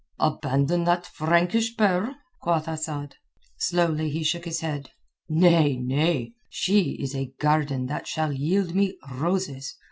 "Abandon that Frankish pearl?" quoth Asad. Slowly he shook his head. "Nay, nay! She is a garden that shall yield me roses.